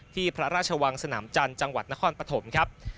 ที่พระราชวังสนามจันทร์จังหวัดนครปฐมครับ